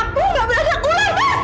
aku gak berada ular mas